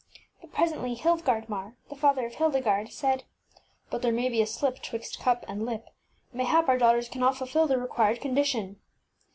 But presently Hild gardmar, the father of Hildegarde, said, ŌĆśBut there may be a slip twixt cup and lip. Mayhap our Hilt MJeatitrg daughters cannot fulfil the required condition.